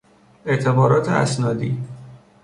اعتبارات اسنادی